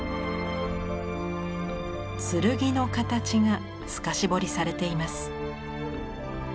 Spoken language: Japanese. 剣の形が透かし彫りされています。